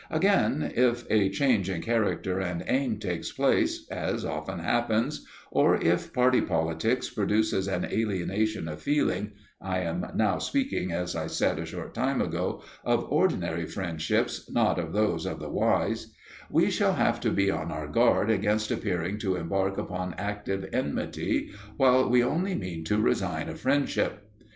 Again, if a change in character and aim takes place, as often happens, or if party politics produces an alienation of feeling (I am now speaking, as I said a short time ago, of ordinary friendships, not of those of the wise), we shall have to be on our guard against appearing to embark upon active enmity while we only mean to resign a friendship.